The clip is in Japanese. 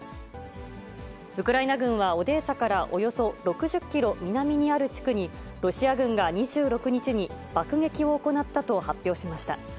ウクライナ軍は、オデーサからおよそ６０キロ南にある地区に、ロシア軍が２６日に爆撃を行ったと発表しました。